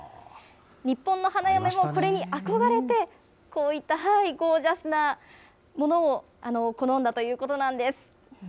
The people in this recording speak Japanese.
日本の花嫁もこれに憧れて、こういったゴージャスなものを好んだということなんです。